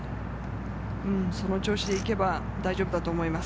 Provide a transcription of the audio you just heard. その調子でいけば大丈夫だと思います。